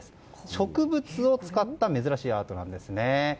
植物を使った珍しいアートなんですね。